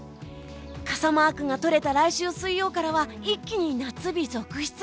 傘マークがとれた来週水曜からは一気に夏日続出。